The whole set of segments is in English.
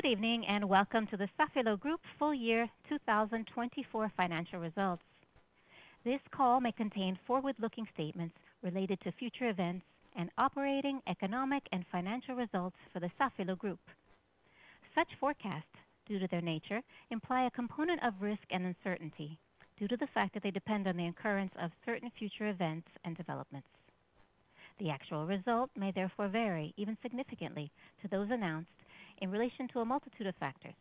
Good evening and welcome to the Safilo Group's Full Year 2024 Financial Results. This call may contain forward-looking statements related to future events and operating, economic, and financial results for the Safilo Group. Such forecasts, due to their nature, imply a component of risk and uncertainty due to the fact that they depend on the occurrence of certain future events and developments. The actual result may therefore vary even significantly to those announced in relation to a multitude of factors.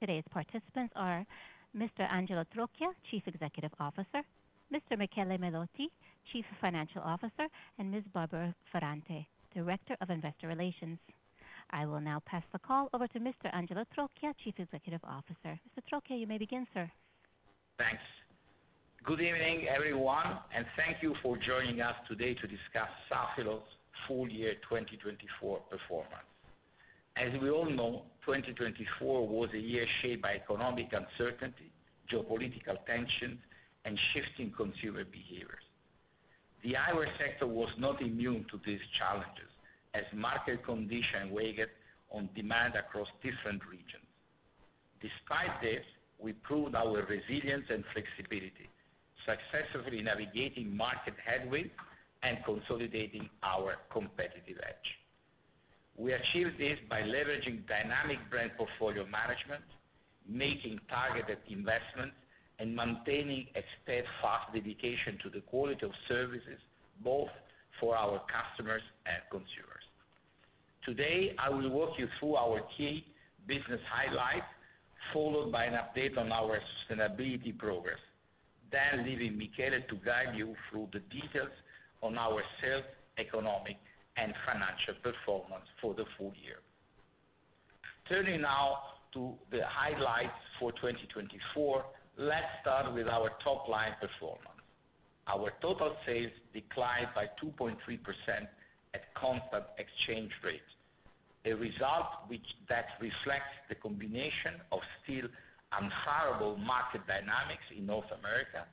Today's participants are Mr. Angelo Trocchia, Chief Executive Officer; Mr. Michele Melotti, Chief Financial Officer; and Ms. Barbara Ferrante, Director of Investor Relations. I will now pass the call over to Mr. Angelo Trocchia, Chief Executive Officer. Mr. Trocchia, you may begin, sir. Thanks. Good evening, everyone, and thank you for joining us today to discuss Safilo's full year 2024 performance. As we all know, 2024 was a year shaped by economic uncertainty, geopolitical tensions, and shifting consumer behaviors. The eyewear sector was not immune to these challenges, as market conditions weighed on demand across different regions. Despite this, we proved our resilience and flexibility, successfully navigating market headwinds and consolidating our competitive edge. We achieved this by leveraging dynamic brand portfolio management, making targeted investments, and maintaining a steadfast dedication to the quality of services both for our customers and consumers. Today, I will walk you through our key business highlights, followed by an update on our sustainability progress, then leaving Michele to guide you through the details on our sales, economic, and financial performance for the full year. Turning now to the highlights for 2024, let's start with our top-line performance. Our total sales declined by 2.3% at constant exchange rate, a result that reflects the combination of still unfavorable market dynamics in North America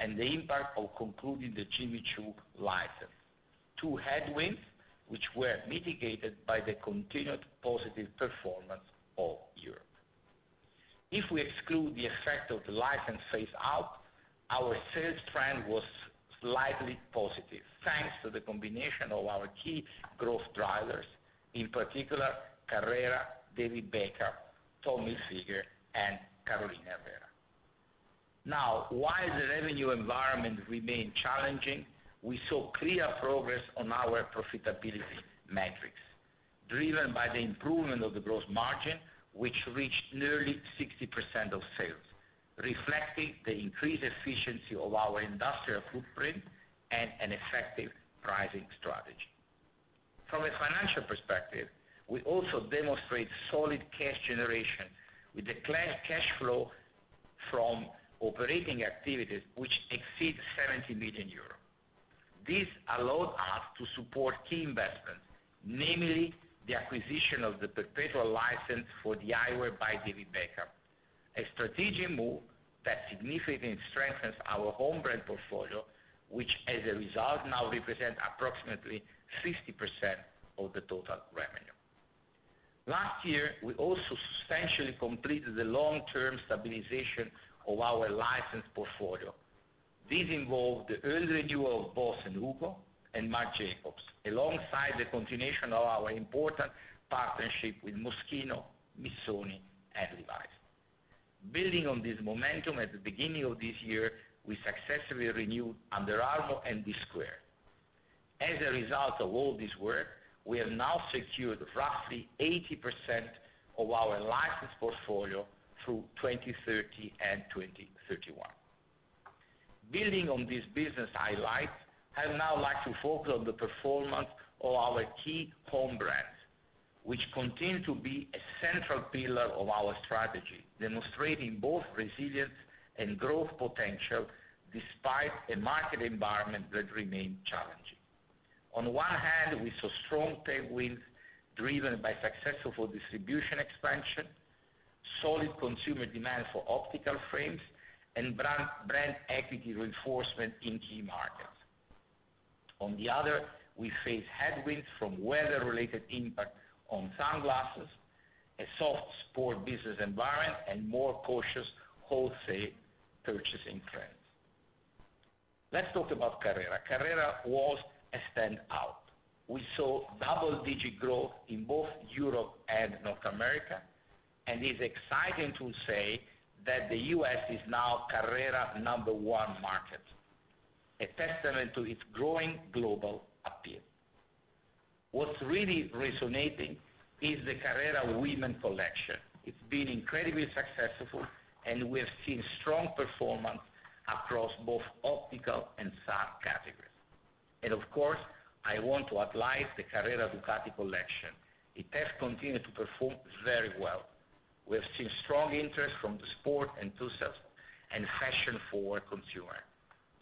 and the impact of concluding the Jimmy Choo license, two headwinds which were mitigated by the continued positive performance of Europe. If we exclude the effect of the license phase-out, our sales trend was slightly positive, thanks to the combination of our key growth drivers, in particular, Carrera, David Beckham, Tommy Hilfiger, and Carolina Herrera. Now, while the revenue environment remained challenging, we saw clear progress on our profitability metrics, driven by the improvement of the gross margin, which reached nearly 60% of sales, reflecting the increased efficiency of our industrial footprint and an effective pricing strategy. From a financial perspective, we also demonstrated solid cash generation with the cash flow from operating activities which exceeded 70 million euros. This allowed us to support key investments, namely the acquisition of the perpetual license for the eyewear by David Beckham, a strategic move that significantly strengthens our home brand portfolio, which, as a result, now represents approximately 50% of the total revenue. Last year, we also substantially completed the long-term stabilization of our license portfolio. This involved the early renewal of Boss & Hugo and Marc Jacobs, alongside the continuation of our important partnership with Moschino, Missoni, and Levi. Building on this momentum, at the beginning of this year, we successfully renewed Under Armour and DSquared2. As a result of all this work, we have now secured roughly 80% of our license portfolio through 2030 and 2031. Building on these business highlights, I'd now like to focus on the performance of our key home brands, which continue to be a central pillar of our strategy, demonstrating both resilience and growth potential despite a market environment that remained challenging. On one hand, we saw strong tailwinds driven by successful distribution expansion, solid consumer demand for optical frames, and brand equity reinforcement in key markets. On the other, we faced headwinds from weather-related impacts on sunglasses, a soft sport business environment, and more cautious wholesale purchasing trends. Let's talk about Carrera. Carrera was a standout. We saw double-digit growth in both Europe and North America, and it's exciting to say that the U.S. is now Carrera's number one market, a testament to its growing global appeal. What's really resonating is the Carrera women's collection. It's been incredibly successful, and we have seen strong performance across both optical and sun categories. Of course, I want to highlight the Carrera Ducati collection. It has continued to perform very well. We have seen strong interest from the sport enthusiasts and fashion-forward consumers.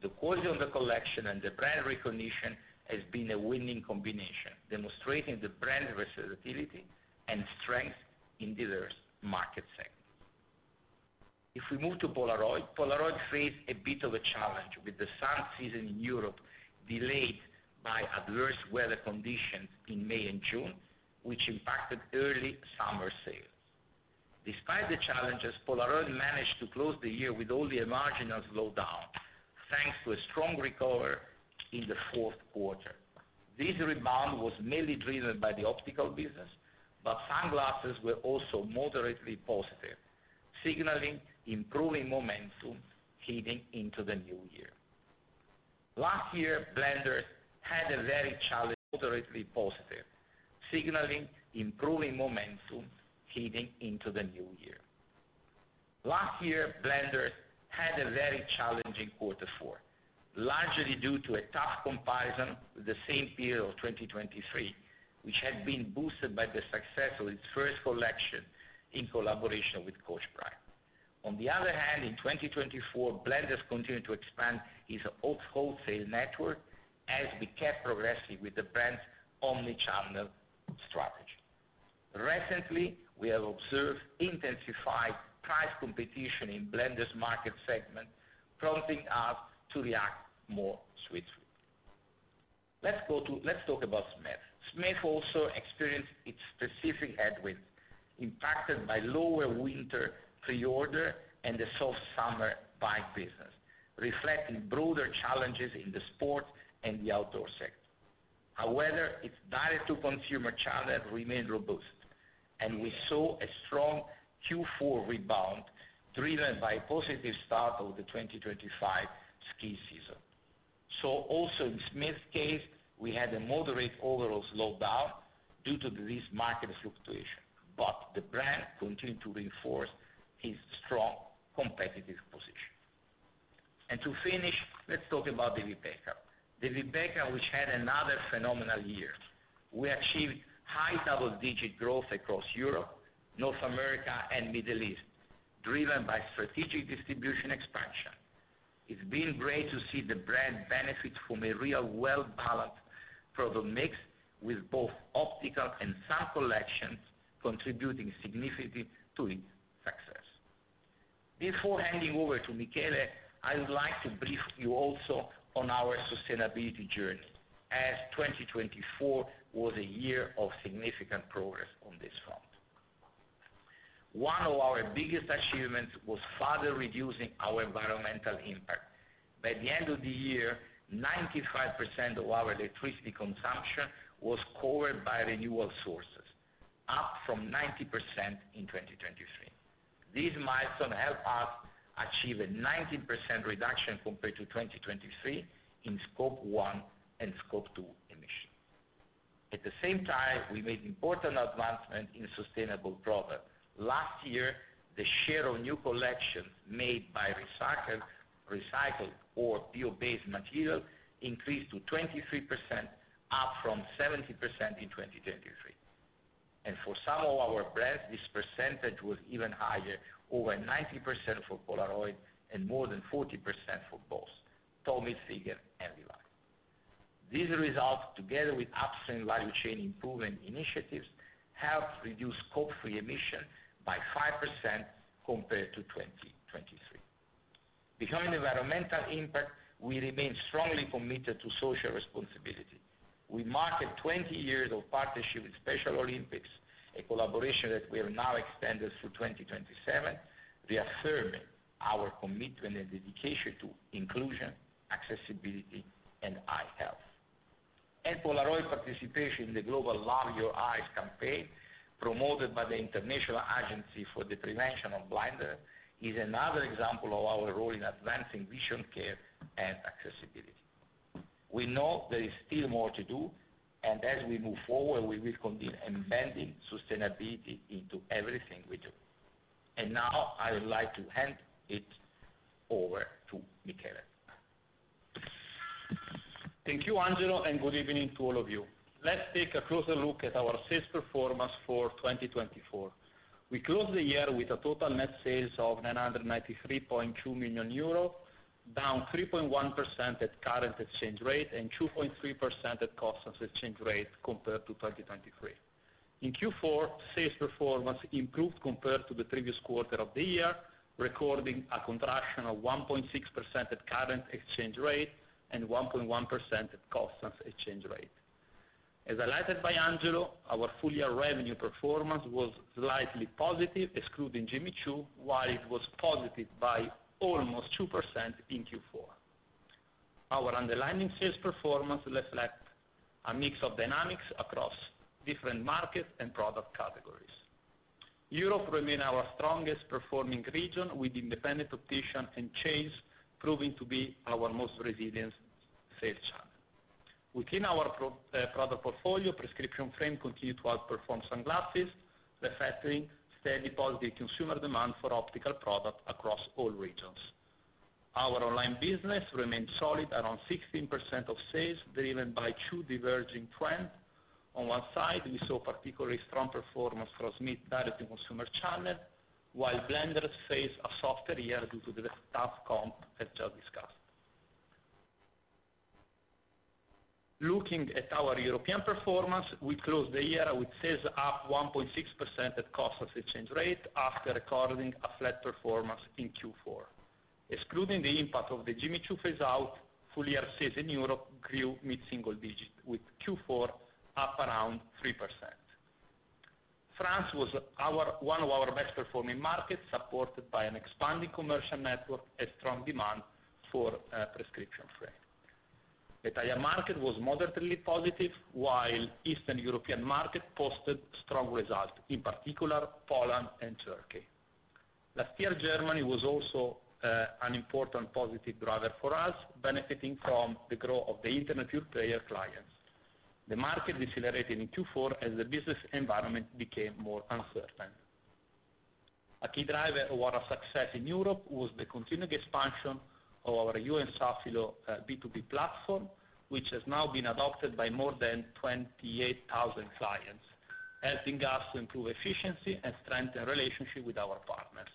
The quality of the collection and the brand recognition has been a winning combination, demonstrating the brand's versatility and strength in diverse market segments. If we move to Polaroid, Polaroid faced a bit of a challenge with the sun season in Europe delayed by adverse weather conditions in May and June, which impacted early summer sales. Despite the challenges, Polaroid managed to close the year with only a marginal slowdown, thanks to a strong recovery in the fourth quarter. This rebound was mainly driven by the optical business, but sunglasses were also moderately positive, signaling improving momentum heading into the new year. Last year, Blenders had a very challenging quarter. Moderately positive, signaling improving momentum heading into the new year. Last year, Blenders had a very challenging quarter four, largely due to a tough comparison with the same period of 2023, which had been boosted by the success of its first collection in collaboration with Coach. On the other hand, in 2024, Blenders continued to expand its wholesale network as we kept progressing with the brand's omnichannel strategy. Recently, we have observed intensified price competition in Blenders' market segment, prompting us to react more swiftly. Let's talk about Smith. Smith also experienced its specific headwinds, impacted by lower winter pre-order and the soft summer bike business, reflecting broader challenges in the sport and the outdoor sector. However, its direct-to-consumer channel remained robust, and we saw a strong Q4 rebound driven by a positive start of the 2025 ski season. Also, in Smith's case, we had a moderate overall slowdown due to this market fluctuation, but the brand continued to reinforce its strong competitive position. To finish, let's talk about David Beckham. David Beckham, which had another phenomenal year. We achieved high double-digit growth across Europe, North America, and the Middle East, driven by strategic distribution expansion. It's been great to see the brand benefit from a real well-balanced product mix with both optical and sun collections, contributing significantly to its success. Before handing over to Michele, I would like to brief you also on our sustainability journey, as 2024 was a year of significant progress on this front. One of our biggest achievements was further reducing our environmental impact. By the end of the year, 95% of our electricity consumption was covered by renewable sources, up from 90% in 2023. This milestone helped us achieve a 19% reduction compared to 2023 in Scope 1 and Scope 2 emissions. At the same time, we made important advancements in sustainable products. Last year, the share of new collections made by recycled or bio-based materials increased to 23%, up from 17% in 2023. For some of our brands, this percentage was even higher, over 90% for Polaroid and more than 40% for Hugo Boss, Tommy Hilfiger, and Levi Strauss & Co. These results, together with upstream value chain improvement initiatives, helped reduce Scope 3 emissions by 5% compared to 2023. Behind environmental impact, we remain strongly committed to social responsibility. We marked 20 years of partnership with Special Olympics, a collaboration that we have now extended through 2027, reaffirming our commitment and dedication to inclusion, accessibility, and eye health. Polaroid's participation in the Global Love Your Eyes campaign, promoted by the International Agency for the Prevention of Blindness, is another example of our role in advancing vision care and accessibility. We know there is still more to do, and as we move forward, we will continue embedding sustainability into everything we do. I would like to hand it over to Michele. Thank you, Angelo, and good evening to all of you. Let's take a closer look at our sales performance for 2024. We closed the year with a total net sales of 993.2 million euro, down 3.1% at current exchange rate and 2.3% at constant exchange rate compared to 2023. In Q4, sales performance improved compared to the previous quarter of the year, recording a contraction of 1.6% at current exchange rate and 1.1% at constant exchange rate. As highlighted by Angelo, our full-year revenue performance was slightly positive, excluding Jimmy Choo, while it was positive by almost 2% in Q4. Our underlying sales performance reflects a mix of dynamics across different markets and product categories. Europe remains our strongest performing region, with independent opticians and chains proving to be our most resilient sales channel. Within our product portfolio, prescription frames continue to outperform sunglasses, reflecting steady positive consumer demand for optical products across all regions. Our online business remains solid at around 16% of sales, driven by two diverging trends. On one side, we saw particularly strong performance from Smith direct-to-consumer channel, while Blenders faced a softer year due to the tough comp, as just discussed. Looking at our European performance, we closed the year with sales up 1.6% at constant exchange rate after recording a flat performance in Q4. Excluding the impact of the Jimmy Choo phase-out, full-year sales in Europe grew mid-single digit, with Q4 up around 3%. France was one of our best-performing markets, supported by an expanding commercial network and strong demand for prescription frames. The Italian market was moderately positive, while the Eastern European market posted strong results, in particular, Poland and Turkey. Last year, Germany was also an important positive driver for us, benefiting from the growth of the Internet Pure Player clients. The market decelerated in Q4 as the business environment became more uncertain. A key driver of our success in Europe was the continued expansion of our You&Safilo B2B platform, which has now been adopted by more than 28,000 clients, helping us to improve efficiency and strengthen relationships with our partners.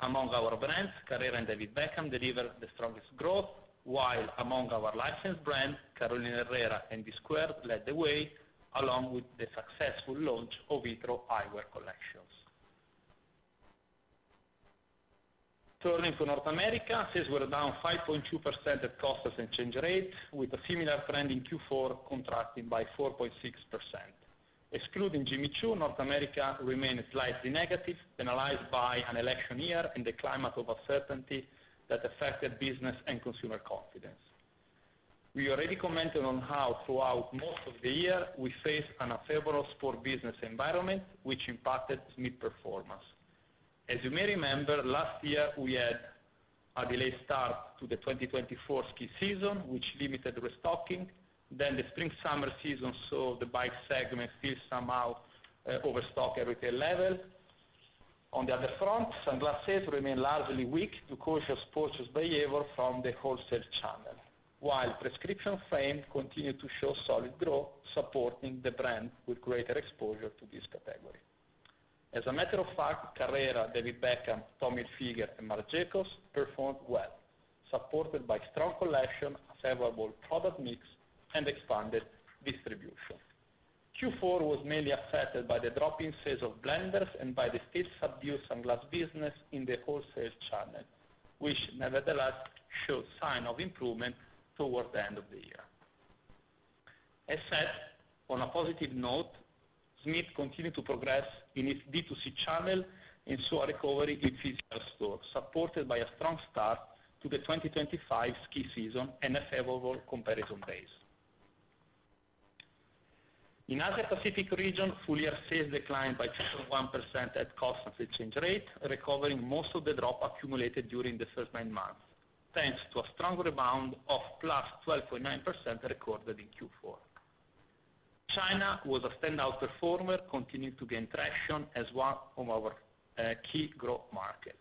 Among our brands, Carrera and David Beckham delivered the strongest growth, while among our licensed brands, Carolina Herrera and DSQUARED2 led the way, along with the successful launch of Etro Eyewear collections. Turning to North America, sales were down 5.2% at constant exchange rate, with a similar trend in Q4, contracting by 4.6%. Excluding Jimmy Choo, North America remained slightly negative, penalized by an election year and the climate of uncertainty that affected business and consumer confidence. We already commented on how, throughout most of the year, we faced an unfavorable sport business environment, which impacted Smith's performance. As you may remember, last year, we had a delayed start to the 2024 ski season, which limited restocking. The spring-summer season saw the bike segment still somehow overstocked at retail level. On the other front, sunglass sales remained largely weak due to cautious purchase behavior from the wholesale channel, while prescription frames continued to show solid growth, supporting the brand with greater exposure to this category. As a matter of fact, Carrera, David Beckham, Tommy Hilfiger, and Marc Jacobs performed well, supported by a strong collection, a favorable product mix, and expanded distribution. Q4 was mainly affected by the drop in sales of Blenders and by the still subdued sunglass business in the wholesale channel, which nevertheless showed signs of improvement toward the end of the year. As said, on a positive note, Smith continued to progress in its B2C channel and saw a recovery in physical stores, supported by a strong start to the 2025 ski season and a favorable comparison base. In the Asia-Pacific region, full-year sales declined by 2.1% at constant exchange rate, recovering most of the drop accumulated during the first nine months, thanks to a strong rebound of +12.9% recorded in Q4. China was a standout performer, continuing to gain traction as one of our key growth markets.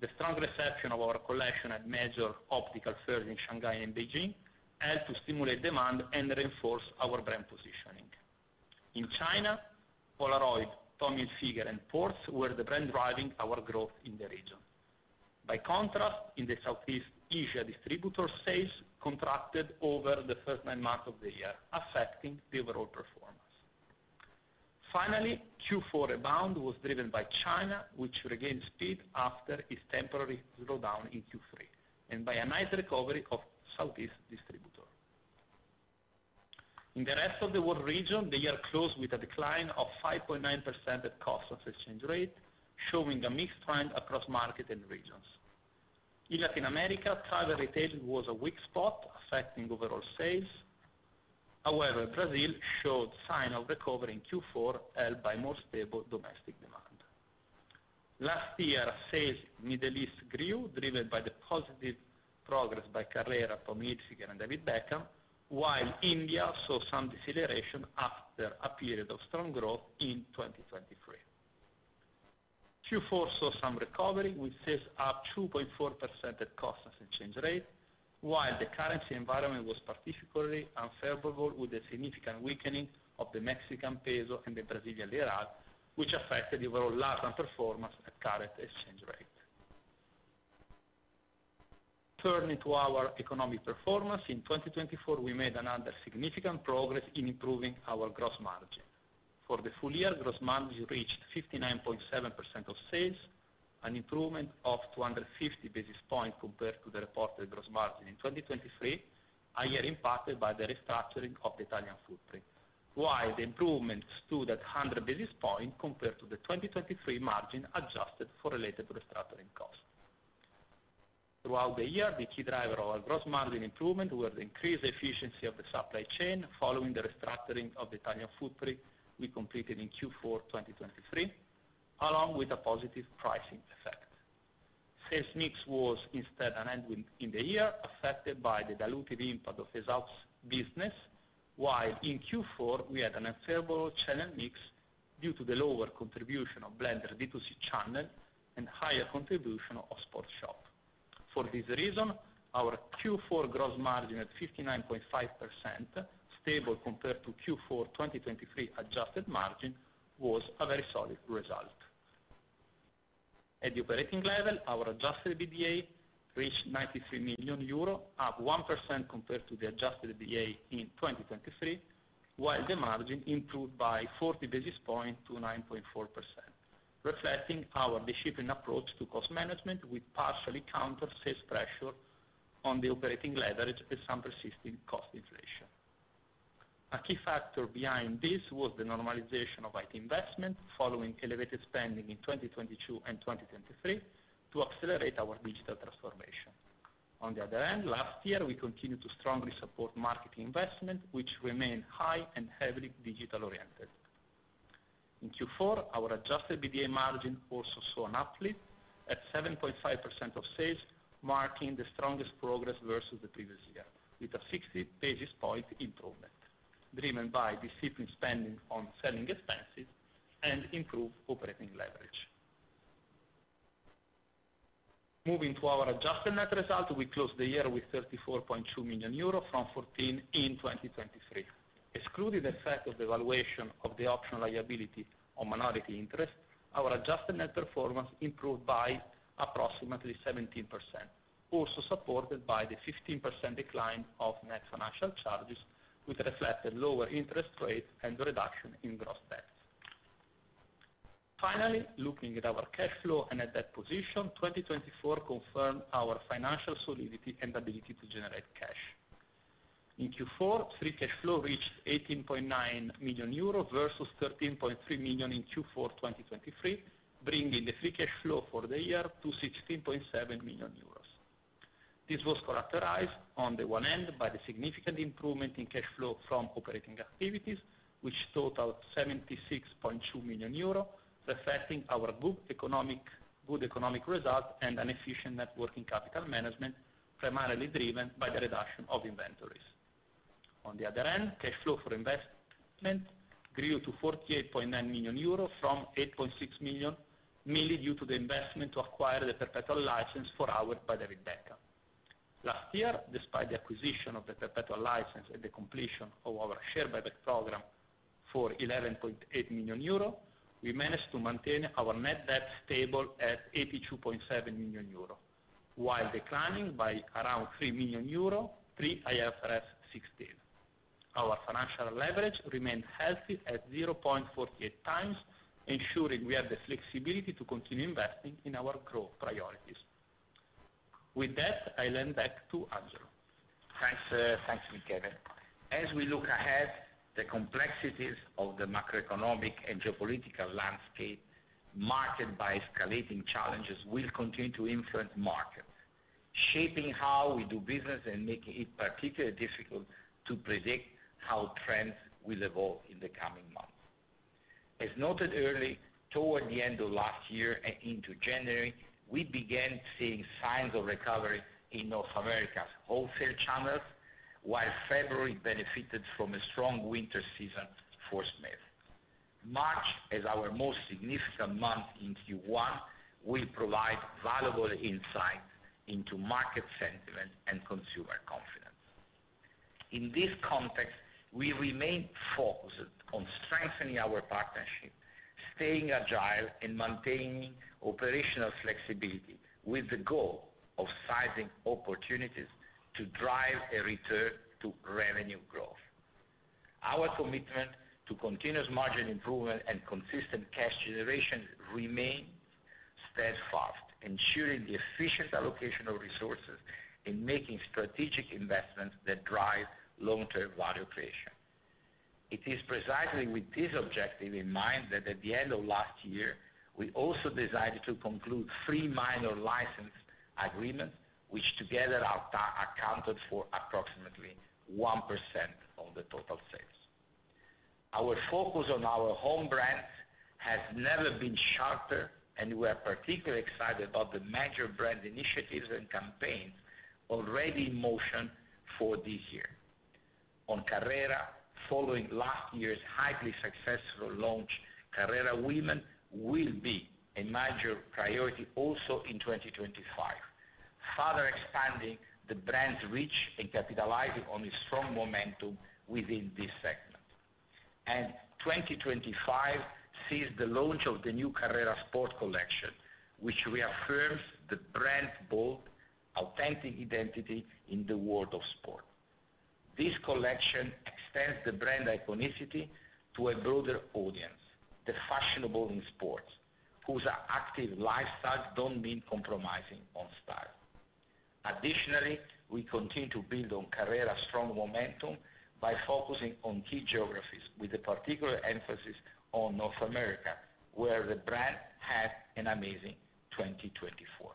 The strong reception of our collection at major optical fairs in Shanghai and Beijing helped to stimulate demand and reinforce our brand positioning. In China, Polaroid, Tommy Hilfiger, and Porsche Design were the brands driving our growth in the region. By contrast, in Southeast Asia, distributor sales contracted over the first nine months of the year, affecting the overall performance. Finally, Q4 rebound was driven by China, which regained speed after its temporary slowdown in Q3 and by a nice recovery of Southeast distributor. In the Rest of the World region, the year closed with a decline of 5.9% at constant exchange rate, showing a mixed trend across markets and regions. In Latin America, private retail was a weak spot, affecting overall sales. However, Brazil showed signs of recovery in Q4, helped by more stable domestic demand. Last year, sales in the Middle East grew, driven by the positive progress by Carrera, Tommy Hilfiger, and David Beckham, while India saw some deceleration after a period of strong growth in 2023. Q4 saw some recovery, with sales up 2.4% at constant exchange rate, while the currency environment was particularly unfavorable, with a significant weakening of the Mexican peso and the Brazilian real, which affected the overall Latin America performance at current exchange rate. Turning to our economic performance, in 2024, we made another significant progress in improving our gross margin. For the full year, gross margin reached 59.7% of sales, an improvement of 250 basis points compared to the reported gross margin in 2023, a year impacted by the restructuring of the Italian footprint, while the improvement stood at 100 basis points compared to the 2023 margin adjusted for related restructuring costs. Throughout the year, the key driver of our gross margin improvement was the increased efficiency of the supply chain following the restructuring of the Italian footprint we completed in Q4 2023, along with a positive pricing effect. Sales mix was, instead, an end in the year, affected by the diluted impact of results business, while in Q4, we had an unfavorable channel mix due to the lower contribution of Blenders B2C channel and higher contribution of sports shop. For this reason, our Q4 gross margin at 59.5%, stable compared to Q4 2023 adjusted margin, was a very solid result. At the operating level, our Adjusted EBITDA reached 93 million euro, up 1% compared to the Adjusted EBITDA in 2023, while the margin improved by 40 basis points to 9.4%, reflecting our disciplined approach to cost management, with partially countered sales pressure on the operating leverage and some persistent cost inflation. A key factor behind this was the normalization of IT investment, following elevated spending in 2022 and 2023, to accelerate our digital transformation. On the other hand, last year, we continued to strongly support market investment, which remained high and heavily digital-oriented. In Q4, our Adjusted EBITDA margin also saw an uplift at 7.5% of sales, marking the strongest progress versus the previous year, with a 60 basis point improvement, driven by disciplined spending on selling expenses and improved operating leverage. Moving to our adjusted net result, we closed the year with 34.2 million euro from 14 million in 2023. Excluding the effect of the valuation of the option liability on minority interest, our adjusted net performance improved by approximately 17%, also supported by the 15% decline of net financial charges, which reflected lower interest rates and a reduction in gross debt. Finally, looking at our cash flow and at that position, 2024 confirmed our financial solidity and ability to generate cash. In Q4, free cash flow reached 18.9 million euro versus 13.3 million in Q4 2023, bringing the free cash flow for the year to 16.7 million euros. This was characterized on the one end by the significant improvement in cash flow from operating activities, which totaled 76.2 million euro, reflecting our good economic result and an efficient network in capital management, primarily driven by the reduction of inventories. On the other hand, cash flow for investment grew to 48.9 million euros from 8.6 million, mainly due to the investment to acquire the perpetual license for our by David Beckham. Last year, despite the acquisition of the perpetual license and the completion of our share buyback program for 11.8 million euro, we managed to maintain our net debt stable at 82.7 million euro, while declining by around 3 million euro, pre-IFRS 16. Our financial leverage remained healthy at 0.48 times, ensuring we had the flexibility to continue investing in our growth priorities. With that, I'll hand back to Angelo. Thanks, Michele. As we look ahead, the complexities of the macroeconomic and geopolitical landscape marked by escalating challenges will continue to influence markets, shaping how we do business and making it particularly difficult to predict how trends will evolve in the coming months. As noted earlier, toward the end of last year and into January, we began seeing signs of recovery in North America's wholesale channels, while February benefited from a strong winter season for Smith. March, as our most significant month in Q1, will provide valuable insights into market sentiment and consumer confidence. In this context, we remain focused on strengthening our partnership, staying agile, and maintaining operational flexibility with the goal of sizing opportunities to drive a return to revenue growth. Our commitment to continuous margin improvement and consistent cash generation remains steadfast, ensuring the efficient allocation of resources and making strategic investments that drive long-term value creation. It is precisely with this objective in mind that at the end of last year, we also decided to conclude three minor license agreements, which together accounted for approximately 1% of the total sales. Our focus on our home brands has never been sharper, and we are particularly excited about the major brand initiatives and campaigns already in motion for this year. On Carrera, following last year's highly successful launch, Carrera Women will be a major priority also in 2025, further expanding the brand's reach and capitalizing on the strong momentum within this segment. 2025 sees the launch of the new Carrera Sport collection, which reaffirms the brand's bold, authentic identity in the world of sport. This collection extends the brand's iconicity to a broader audience, the fashionable in sports, whose active lifestyle does not mean compromising on style. Additionally, we continue to build on Carrera's strong momentum by focusing on key geographies, with a particular emphasis on North America, where the brand had an amazing 2024.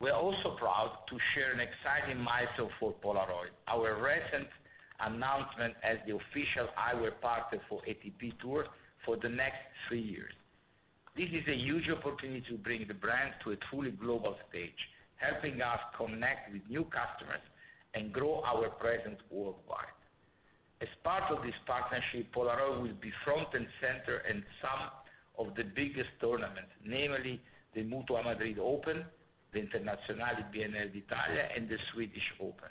We are also proud to share an exciting milestone for Polaroid, our recent announcement as the official eyewear partner for ATP Tour for the next three years. This is a huge opportunity to bring the brand to a truly global stage, helping us connect with new customers and grow our presence worldwide. As part of this partnership, Polaroid will be front and center in some of the biggest tournaments, namely the Mutua Madrid Open, the Internazionali BNL d'Italia, and the Swedish Open.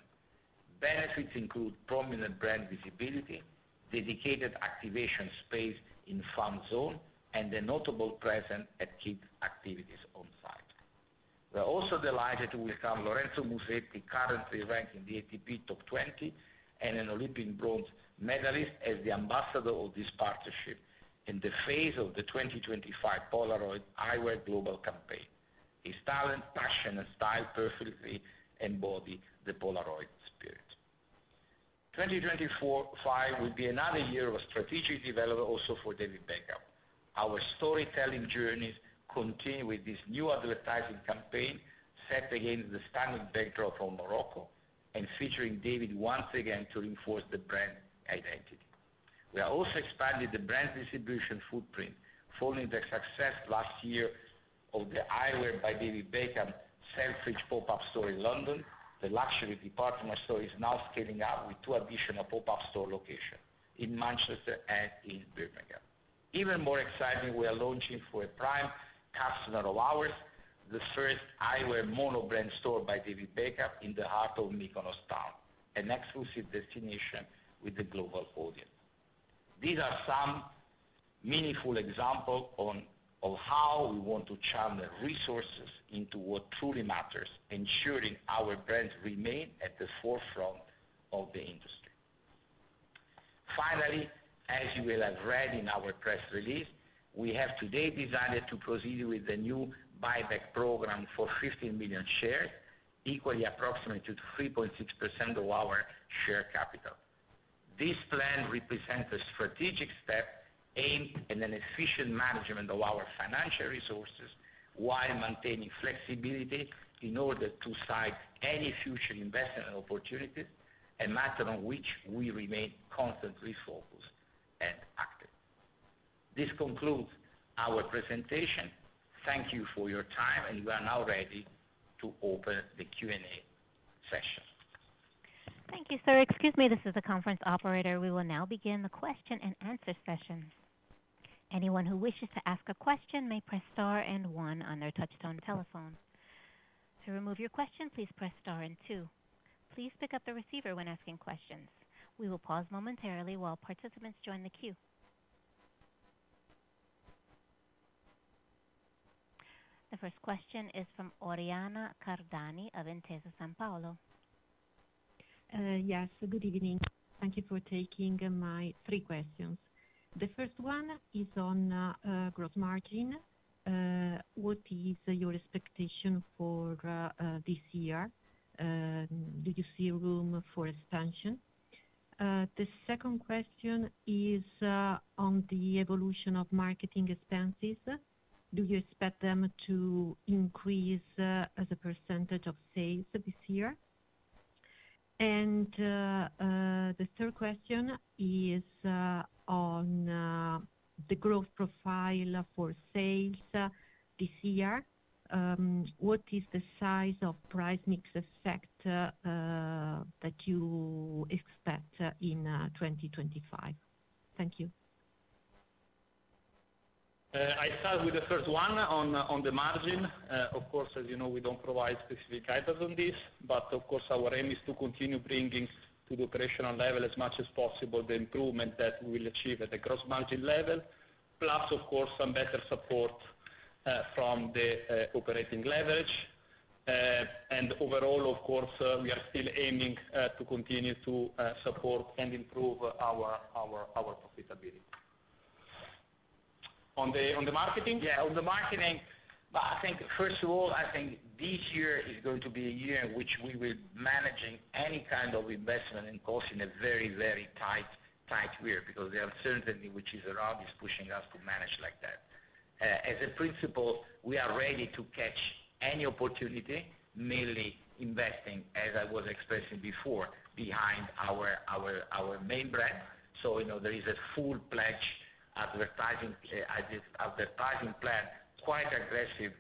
Benefits include prominent brand visibility, dedicated activation space in Fan Zone, and a notable presence at kids' activities on site. We are also delighted to welcome Lorenzo Musetti, currently ranking the ATP Top 20 and an Olympian bronze medalist, as the ambassador of this partnership in the phase of the 2025 Polaroid Eyewear Global Campaign. His talent, passion, and style perfectly embody the Polaroid spirit. 2025 will be another year of strategic development also for David Beckham. Our storytelling journeys continue with this new advertising campaign set against the stunning backdrop of Morocco and featuring David once again to reinforce the brand identity. We are also expanding the brand distribution footprint, following the success last year of the Eyewear by David Beckham Selfridges pop-up store in London. The luxury department store is now scaling up with two additional pop-up store locations in Manchester and in Birmingham. Even more exciting, we are launching for a prime customer of ours the first eyewear monobrand store by David Beckham in the heart of Mykonos Town, an exclusive destination with a global audience. These are some meaningful examples of how we want to channel resources into what truly matters, ensuring our brands remain at the forefront of the industry. Finally, as you will have read in our press release, we have today decided to proceed with a new buyback program for 15 million shares, equally approximating to 3.6% of our share capital. This plan represents a strategic step aimed at an efficient management of our financial resources while maintaining flexibility in order to cite any future investment opportunities, a matter on which we remain constantly focused and active. This concludes our presentation. Thank you for your time, and we are now ready to open the Q&A session. Thank you, sir. Excuse me, this is the conference operator. We will now begin the question and answer session. Anyone who wishes to ask a question may press star and one on their touch-tone telephone. To remove your question, please press star and two. Please pick up the receiver when asking questions. We will pause momentarily while participants join the queue. The first question is from Oriana Cardani of Intesa Sanpaolo. Yes, good evening. Thank you for taking my three questions. The first one is on gross margin. What is your expectation for this year? Do you see room for expansion? The second question is on the evolution of marketing expenses. Do you expect them to increase as a percentage of sales this year? The third question is on the growth profile for sales this year. What is the size of price mix effect that you expect in 2025? Thank you. I start with the first one on the margin. Of course, as you know, we do not provide specific items on this, but of course, our aim is to continue bringing to the operational level as much as possible the improvement that we will achieve at the gross margin level, plus, of course, some better support from the operating leverage, and overall, of course, we are still aiming to continue to support and improve our profitability. On the marketing? Yeah, on the marketing, I think, first of all, I think this year is going to be a year in which we will be managing any kind of investment and cost in a very, very tight, tight gear because the uncertainty, which is around, is pushing us to manage like that. As a principle, we are ready to catch any opportunity, mainly investing, as I was expressing before, behind our main brand. There is a full-fledged advertising plan, quite aggressive,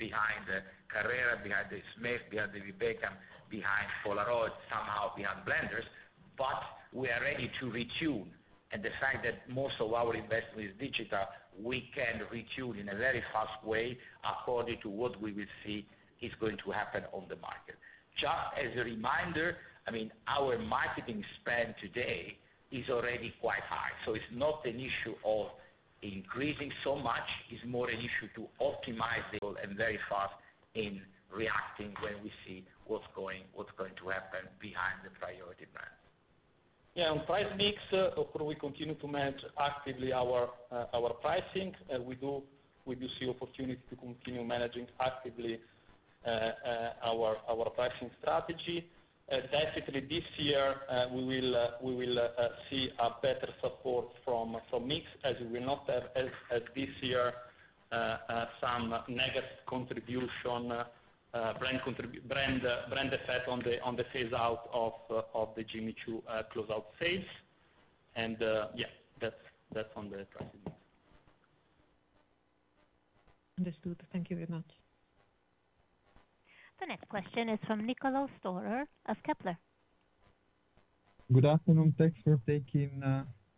behind Carrera, behind Smith, behind David Beckham, behind Polaroid, somehow behind Blenders, but we are ready to retune. The fact that most of our investment is digital, we can retune in a very fast way according to what we will see is going to happen on the market. Just as a reminder, I mean, our marketing spend today is already quite high, so it's not an issue of increasing so much. It's more an issue to optimize. Very fast in reacting when we see what's going to happen behind the priority brand. Yeah, on price mix, of course, we continue to manage actively our pricing. We do see opportunity to continue managing actively our pricing strategy. Definitely, this year, we will see better support from mix, as we will not have, as this year, some negative contribution, brand effect on the phase-out of the Jimmy Choo closeout sales. Yeah, that's on the pricing mix. Understood. Thank you very much. The next question is from Niccolò Storer of Kepler. Good afternoon. Thanks for taking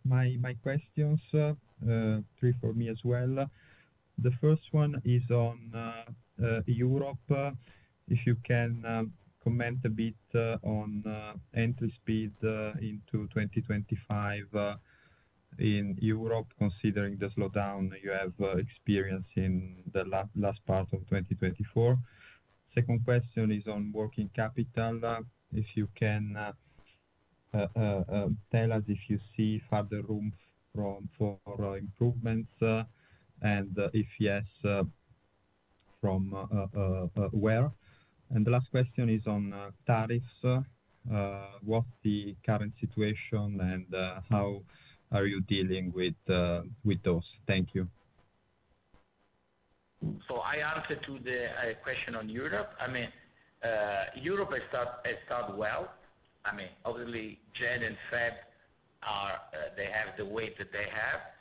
my questions. Three for me as well. The first one is on Europe. If you can comment a bit on entry speed into 2025 in Europe, considering the slowdown you have experienced in the last part of 2024. Second question is on working capital. If you can tell us if you see further room for improvements, and if yes, from where. The last question is on tariffs. What's the current situation, and how are you dealing with those? Thank you. I answered to the question on Europe. I mean, Europe has started well. I January and February, they have the weight that they have.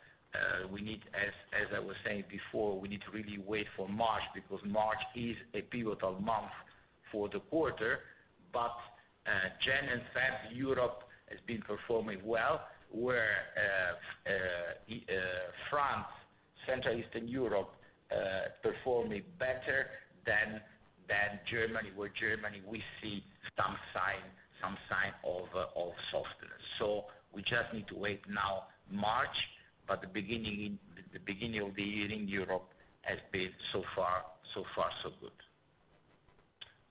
We need, as I was saying before, we need to really wait for March because March is a pivotal month for January and February, europe has been performing well, where France, Central Eastern Europe performing better than Germany, where Germany, we see some sign of softness. We just need to wait now March, but the beginning of the year in Europe has been so far, so good.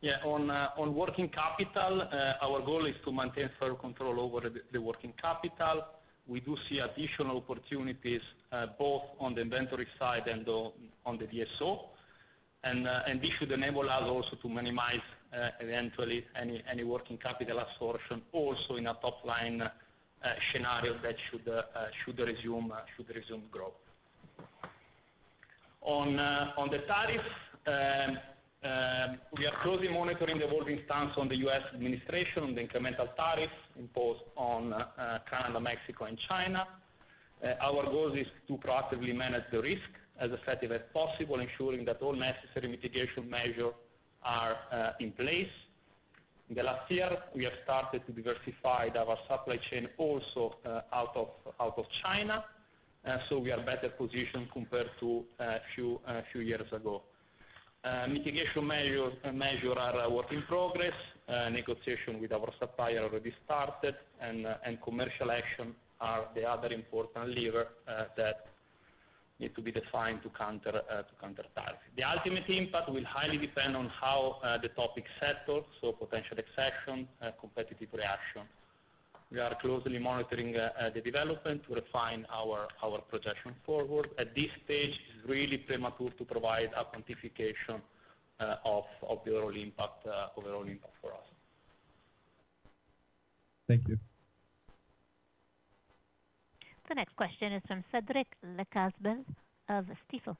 Yeah, on working capital, our goal is to maintain firm control over the working capital. We do see additional opportunities both on the inventory side and on the DSO. This should enable us also to minimize eventually any working capital absorption also in a top-line scenario that should resume growth. On the tariffs, we are closely monitoring the evolving stance on the U.S. administration on the incremental tariffs imposed on Canada, Mexico, and China. Our goal is to proactively manage the risk as effective as possible, ensuring that all necessary mitigation measures are in place. In the last year, we have started to diversify our supply chain also out of China, so we are better positioned compared to a few years ago. Mitigation measures are a work in progress. Negotiation with our supplier already started, and commercial action are the other important lever that need to be defined to counter tariffs. The ultimate impact will highly depend on how the topic settles, so potential exception, competitive reaction. We are closely monitoring the development to refine our projection forward. At this stage, it's really premature to provide a quantification of the overall impact for us. Thank you. The next question is from Cédric Lecasble of Stifel.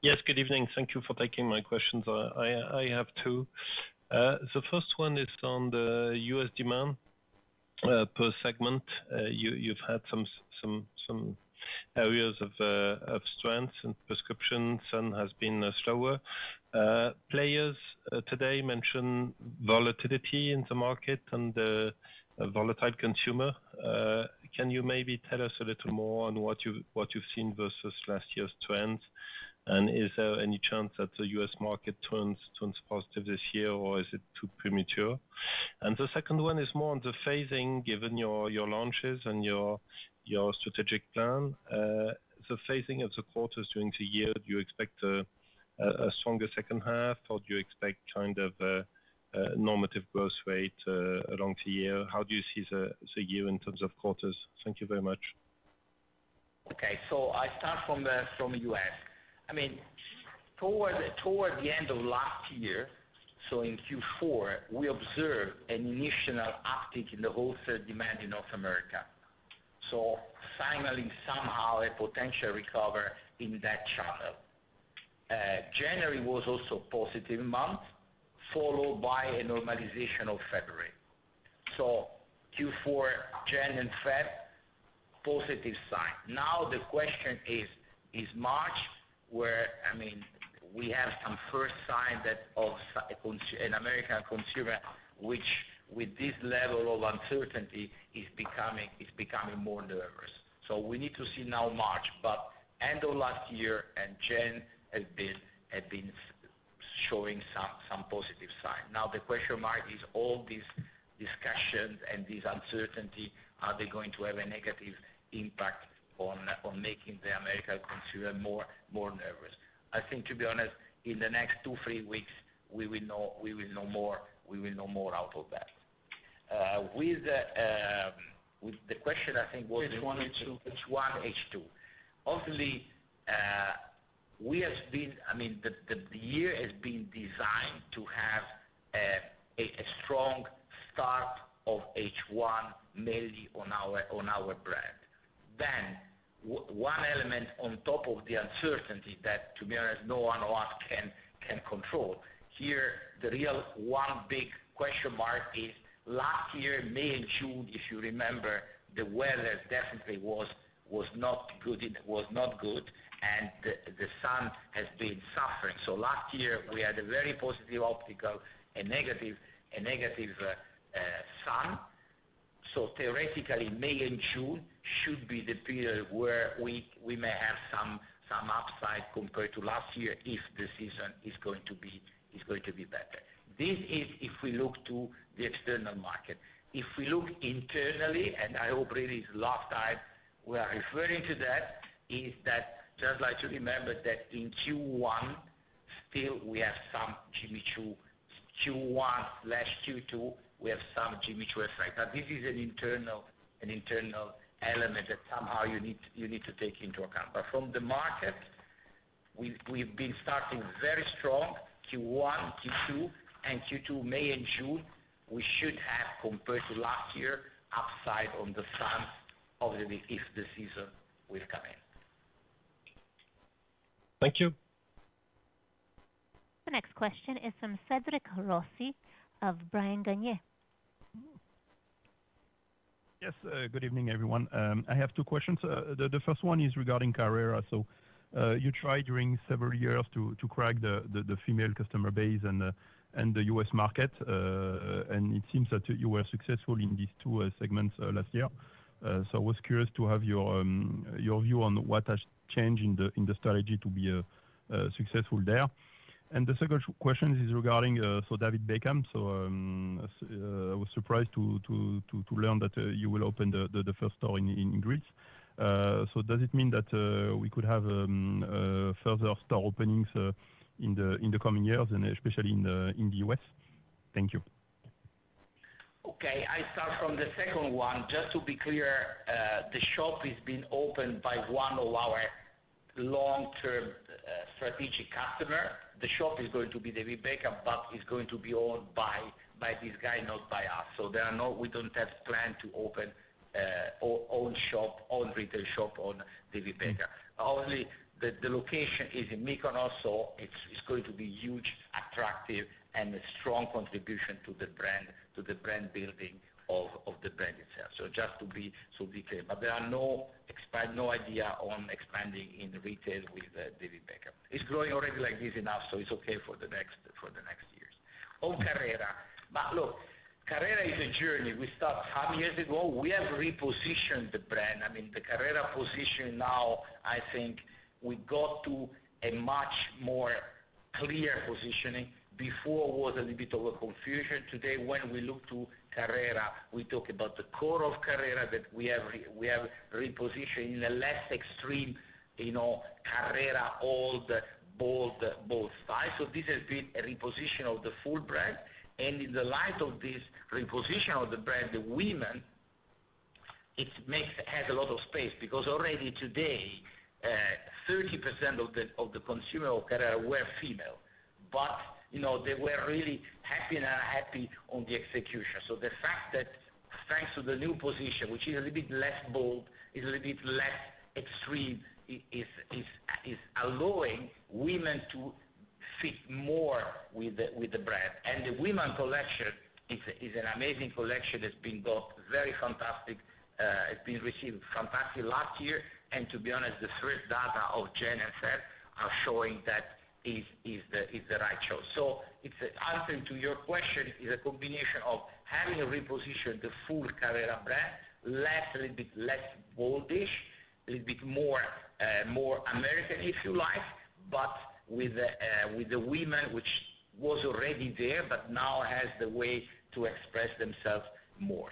Yes, good evening. Thank you for taking my questions. I have two. The first one is on the U.S. demand per segment. You've had some areas of strength in prescription, some has been slower. Players today mention volatility in the market and volatile consumer. Can you maybe tell us a little more on what you've seen versus last year's trends? Is there any chance that the U.S. market turns positive this year, or is it too premature? The second one is more on the phasing, given your launches and your strategic plan. The phasing of the quarters during the year, do you expect a stronger second half, or do you expect kind of a normative growth rate along the year? How do you see the year in terms of quarters? Thank you very much. Okay, I start from the U.S. I mean, toward the end of last year, in Q4, we observed an initial uptick in the wholesale demand in North America. Finally, somehow a potential recover in that channel. January was also a positive month, followed by a normalization of February. Q4, January and February, positive sign. Now the question is, is March where, I mean, we have some first sign of an American consumer, which with this level of uncertainty is becoming more nervous. We need to see now March, but end of last year, and January has been showing some positive sign. Now the question mark is all these discussions and this uncertainty, are they going to have a negative impact on making the American consumer more nervous? I think, to be honest, in the next two, three weeks, we will know more. We will know more out of that with the question, I think. H1, H2. H1, H2. Obviously, we have been, I mean, the year has been designed to have a strong start of H1, mainly on our brand. One element on top of the uncertainty that, to be honest, no one of us can control. Here, the real one big question mark is last year, May and June, if you remember, the weather definitely was not good, and the sun has been suffering. Last year, we had a very positive optical, a negative sun. Theoretically, May and June should be the period where we may have some upside compared to last year if the season is going to be better. This is if we look to the external market. If we look internally, and I hope really it's the last time we are referring to that, I just like to remember that in Q1, still we have some Jimmy Choo, Q1/Q2, we have some Jimmy Choo effect. This is an internal element that somehow you need to take into account. From the market, we've been starting very strong Q1, Q2, and Q2, May and June, we should have compared to last year upside on the sun, obviously, if the season will come in. Thank you. The next question is from Cédric Rossi of Bryan, Garnier. Yes, good evening, everyone. I have two questions. The first one is regarding Carrera. You tried during several years to crack the female customer base and the U.S. market, and it seems that you were successful in these two segments last year. I was curious to have your view on what has changed in the strategy to be successful there. The second question is regarding David Beckham. I was surprised to learn that you will open the first store in Greece. Does it mean that we could have further store openings in the coming years, and especially in the U.S? Thank you. Okay, I start from the second one. Just to be clear, the shop is being opened by one of our long-term strategic customers. The shop is going to be David Beckham, but it's going to be owned by this guy, not by us. We do not have plan to open own shop, own retail shop on David Beckham. Obviously, the location is in Mykonos, so it's going to be huge, attractive, and a strong contribution to the brand building of the brand itself. Just to be clear. There are no idea on expanding in retail with David Beckham. It's growing already like this enough, so it's okay for the next years. On Carrera. Look, Carrera is a journey. We started some years ago. We have repositioned the brand. I mean, the Carrera position now, I think we got to a much more clear positioning. Before, it was a little bit of a confusion. Today, when we look to Carrera, we talk about the core of Carrera that we have repositioned in a less extreme Carrera old, bold style. This has been a repositioning of the full brand. In the light of this repositioning of the brand, the women has a lot of space because already today, 30% of the consumers of Carrera were female, but they were really happy and unhappy on the execution. The fact that thanks to the new position, which is a little bit less bold, is a little bit less extreme, is allowing women to fit more with the brand. The women's collection is an amazing collection that's been got very fantastic. It's been received fantastic last year. To be honest, the first January and February are showing that is the right choice. The answer to your question is a combination of having repositioned the full Carrera brand, less, a little bit less boldish, a little bit more American, if you like, but with the women, which was already there, but now has the way to express themselves more.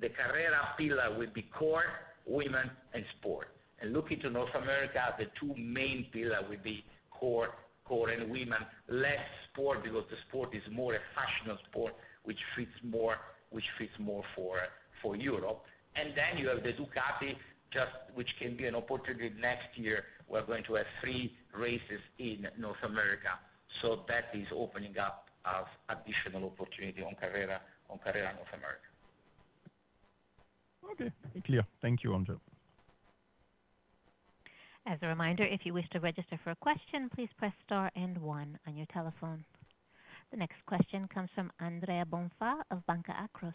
The Carrera pillar will be core, women, and sport. Looking to North America, the two main pillars will be core and women, less sport because the sport is more a fashionable sport, which fits more for Europe. You have the Ducati, which can be an opportunity next year. We are going to have three races in North America. That is opening up additional opportunity on Carrera North America. Okay, clear. Thank you, Angelo. As a reminder, if you wish to register for a question, please press star and one on your telephone. The next question comes from Andrea Bonfà of Banca Akros.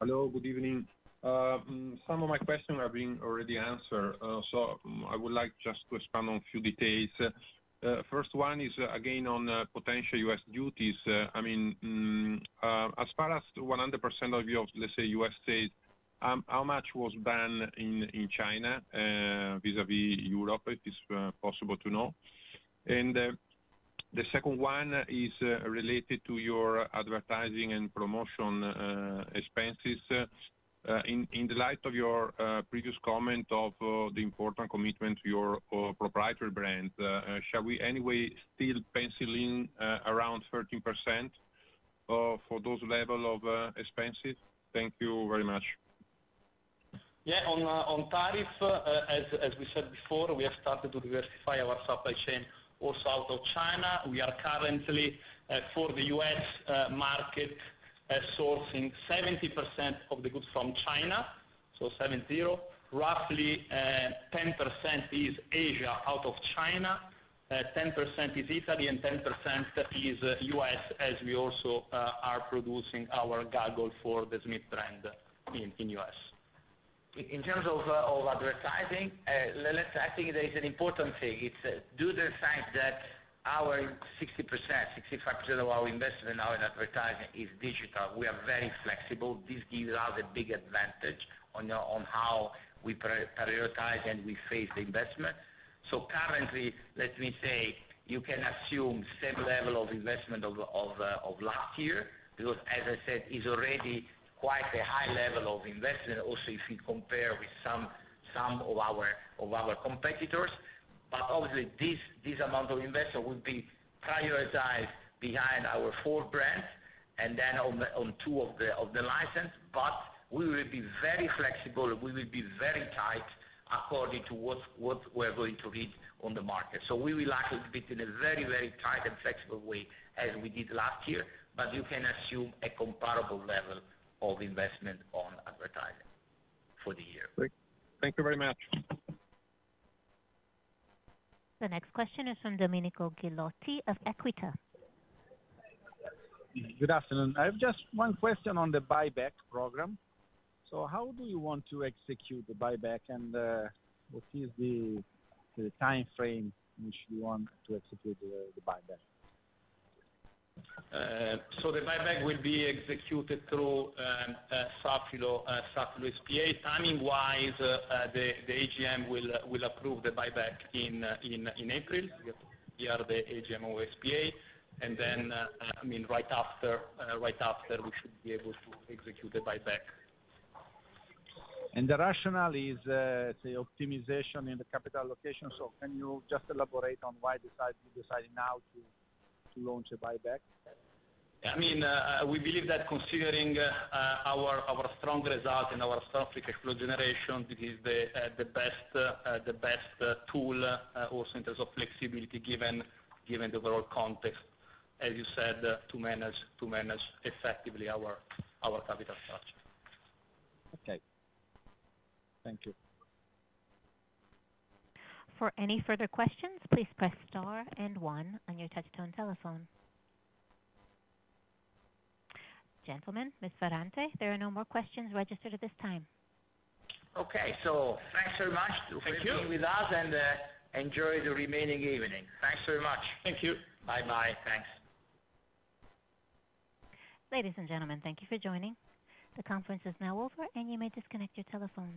Hello, good evening. Some of my questions are being already answered. I would like just to expand on a few details. First one is again on potential U.S. duties. I mean, as far as 100% of your, let's say, U.S. states, how much was done in China vis-à-vis Europe if it's possible to know? The second one is related to your advertising and promotion expenses. In the light of your previous comment of the important commitment to your proprietary brand, shall we anyway still pencil in around 13% for those levels of expenses? Thank you very much. Yeah, on tariff, as we said before, we have started to diversify our supply chain also out of China. We are currently, for the US market, sourcing 70% of the goods from China, so 70. Roughly 10% is Asia out of China, 10% is Italy, and 10% is US, as we also are producing our goggle for the Smith brand in the US. In terms of advertising, I think there is an important thing. It's due to the fact that our 60%-65% of our investment now in advertising is digital. We are very flexible. This gives us a big advantage on how we prioritize and we phase the investment. Currently, let me say, you can assume same level of investment of last year because, as I said, it's already quite a high level of investment, also if you compare with some of our competitors. Obviously, this amount of investment will be prioritized behind our four brands and then on two of the license. We will be very flexible. We will be very tight according to what we're going to read on the market. We will act a little bit in a very, very tight and flexible way as we did last year, but you can assume a comparable level of investment on advertising for the year. Great. Thank you very much. The next question is from Domenico Ghilotti of Equita. Good afternoon. I have just one question on the buyback program. How do you want to execute the buyback, and what is the time frame in which you want to execute the buyback? The buyback will be executed through Safilo Group. Timing-wise, the AGM will approve the buyback in April. We are the AGM of Safilo Group. I mean, right after, we should be able to execute the buyback. The rationale is, let's say, optimization in the capital allocation. Can you just elaborate on why you decided now to launch a buyback? I mean, we believe that considering our strong result and our strong free cash flow generation, this is the best tool also in terms of flexibility given the overall context, as you said, to manage effectively our capital structure. Okay. Thank you. For any further questions, please press star and one on your touch-tone telephone. Gentlemen, Ms. Ferrante, there are no more questions registered at this time. Okay, thanks very much for being with us, and enjoy the remaining evening. Thanks very much. Thank you. Bye-bye. Thanks. Ladies and gentlemen, thank you for joining. The conference is now over, and you may disconnect your telephone.